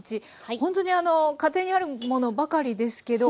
ほんとに家庭にあるものばかりですけど。